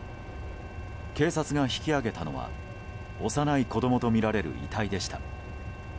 警察が引き揚げたのは幼い子供とみられる遺体でした。